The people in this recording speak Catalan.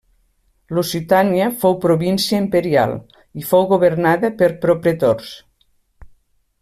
Lusitània fou província imperial, i fou governada per propretors.